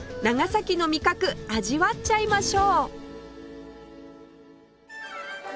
長崎の味覚味わっちゃいましょう！